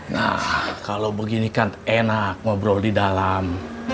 nah kalau begini kan enak ngobrol di dalam